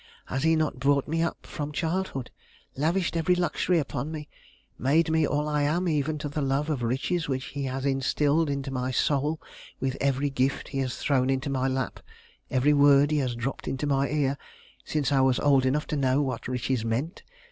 Has he not brought me up from childhood? lavished every luxury upon me? made me all I am, even to the love of riches which he has instilled into my soul with every gift he has thrown into my lap, every word he has dropped into my ear, since I was old enough to know what riches meant?